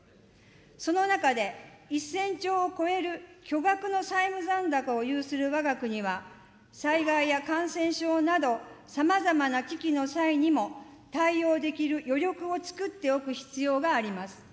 その中で、１０００兆を超える巨額の債務残高を有するわが国は、災害や感染症など、さまざまな危機の際にも対応できる余力を作っておく必要があります。